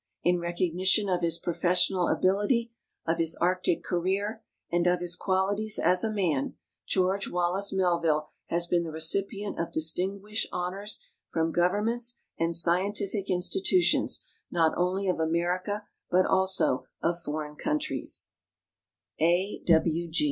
In recognition of his professional ability, of his Arctic career, and of his qualities as a man, George Wallace Melville has been the recipient of distinguished honors from governments and scientific institutions not only of America, but also of foreign countries. A.